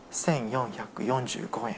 １４４５円。